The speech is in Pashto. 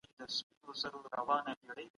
اسانه جواب ئې دادی